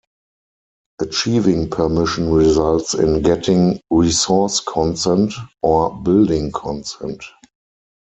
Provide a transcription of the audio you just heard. Achieving permission results in getting "Resource consent" or "Building consent".